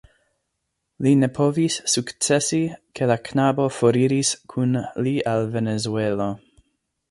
Li ne povis sukcesi, ke la knabo foriris kun li al Venezuelo.